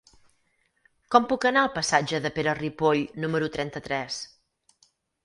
Com puc anar al passatge de Pere Ripoll número trenta-tres?